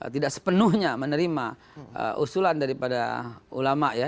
tidak sepenuhnya menerima usulan dari pada ulama ya